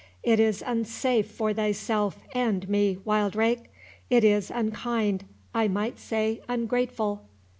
—it is unsafe for thyself and me, Wildrake—it is unkind—I might say ungrateful."